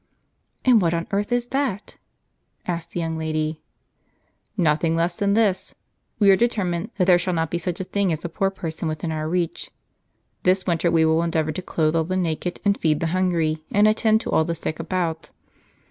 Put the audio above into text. "And what on earth is that?" asked the young lady. " Nothing less than this. We are determined that there shall not be such a thing as a poor person within our reach ; this winter we will endeavor to clothe all the naked, and feed the hungry, and attend to all the sick about.